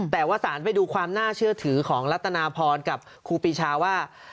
แต่ว่าสารไปดูความน่าเชื่อถือของรัฐนาพรกับครูปีชาว่า